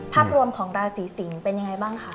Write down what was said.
ภาพรวมของราศีสิงศ์เป็นยังไงบ้างคะ